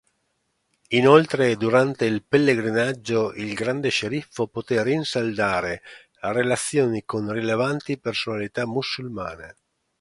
Inoltre durante il pellegrinaggio il Grande Sceriffo poté rinsaldare relazioni con rilevanti personalità musulmane.